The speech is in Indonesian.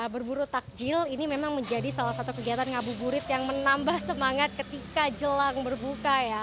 berburu takjil ini memang menjadi salah satu kegiatan ngabuburit yang menambah semangat ketika jelang berbuka ya